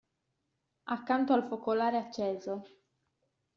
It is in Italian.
Accanto al focolare acceso.